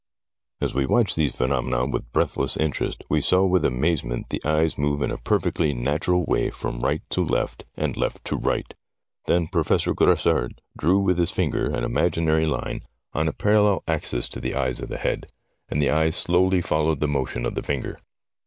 As we watched these phenomena with breathless interest we saw with amazement the eyes move in a perfectly natural way from right to left and left to right. Then Professor Grassard drew with his finger an imaginary line on a parallel 78 STORIES WEIRD AND WONDERFUL axis to the eyes of the head, and the eyes slowly followed the motion of the finger.